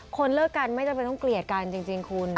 คนเลิกกันไม่จำเป็นต้องเกลียดกัน